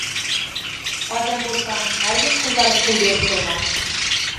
ئادەم بولساڭ ھەرگىز قىزلارغا پۇل بېرىپ تۇرما!